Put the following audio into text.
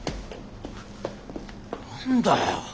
何だよ？